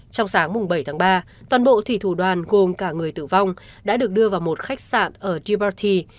trong sáng bảy tháng ba toàn bộ thủy thủ đoàn gồm cả người tử vong đã được đưa vào một khách sạn ở dboti